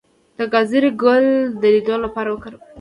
د ګازرې ګل د لید لپاره وکاروئ